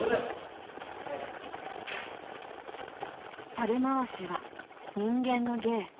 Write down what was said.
［猿回しは人間の芸］